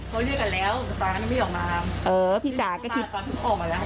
เขาเรียกกันแล้วพี่จ๋าก็ไม่ออกมา